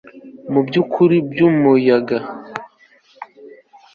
mubyuka byumuyaga